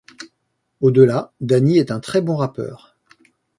Au-delà, Danny est un très bon rappeur.